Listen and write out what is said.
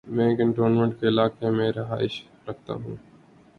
میں کینٹونمینٹ کے علاقے میں رہائش رکھتا ہوں۔